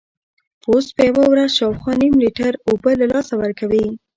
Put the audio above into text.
پوست په یوه ورځ شاوخوا نیم لیټر اوبه له لاسه ورکوي.